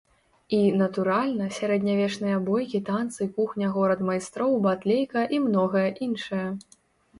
І, натуральна, сярэднявечныя бойкі, танцы, кухня, горад майстроў, батлейка і многае іншае.